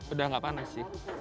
udah nggak panas sih